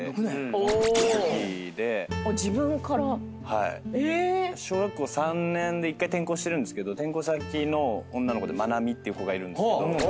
はい。小学校３年で１回転校してるんですけど転校先の女の子でまなみっていう子がいるんですけど。